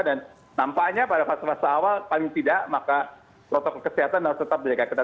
dan nampaknya pada masa awal paling tidak maka protokol kesehatan harus tetap dijaga